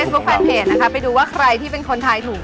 ในเฟซบุ๊คแฟนเพจนะครับไปดูว่าใครที่เป็นคนทายถูก